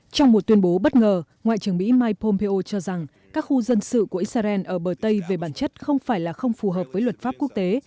trong một tuyên bố bất ngờ ngoại trưởng mỹ mike pompeo cho rằng các khu dân sự của israel ở bờ tây về bản chất không phải là không phù hợp với luật pháp quốc tế